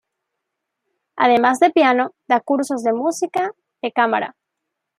Además de piano, da cursos de música de cámara.